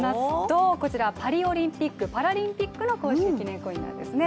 こちら、パリオリンピック・パラリンピックの公式記念コインなんですね。